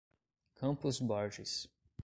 Campos Borges